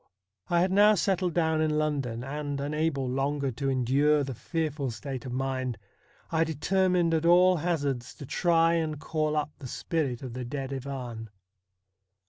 I had now settled down in London, and, unable longer to endure the fearful state of mind, I determined at all hazards to try and call up the spirit of the dead Ivan.